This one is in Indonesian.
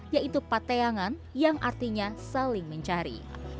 yaitu pateangan yang artinya saling mencari